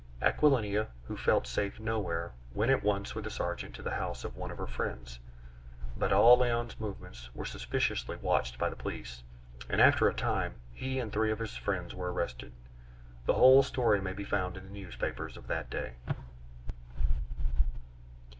Aquilina, who felt safe nowhere, went at once with the sergeant to the house of one of her friends. But all Léon's movements were suspiciously watched by the police, and after a time he and three of his friends were arrested. The whole story may be found in the newspapers of that day.